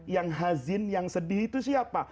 yang hazin yang sedih itu siapa